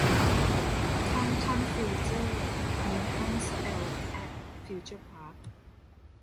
ข้างข้างฟิวเจอร์ มีห้างสเปลล์ แอท ฟิวเจอร์พาร์ค